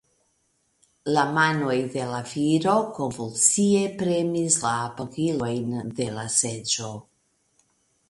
La manoj de la viro konvulsie premis la apogilojn de la seĝo.